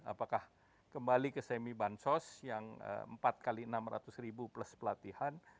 apakah kembali ke semi bansos yang empat x enam ratus ribu plus pelatihan